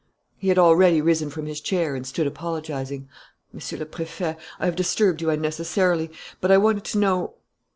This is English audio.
He had already risen from his chair and stood apologizing: "Monsieur le Préfet, I have disturbed you unnecessarily, but I wanted to know....